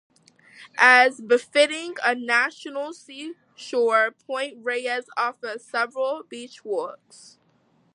As befitting a national seashore, Point Reyes offers several beach walks.